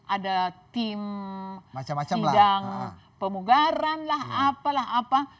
ada tim sidang pemugaran lah apa lah apa